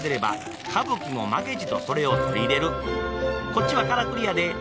「こっちはからくりやで」